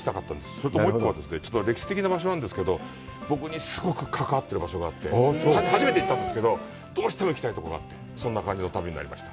それともう１個あって、歴史的な場所なんですけど、僕にすごくかかわってる場所があって、初めて行ったんですけど、どうしても行きたいところがあって、そんな感じの旅になりました。